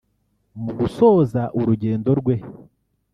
Mu gusoza urugendo rwe